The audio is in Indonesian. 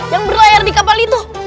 yang berlayar di kapal itu